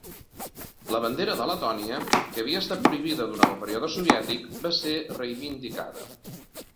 La bandera de Letònia, que havia estat prohibida durant el període soviètic va ser reivindicada.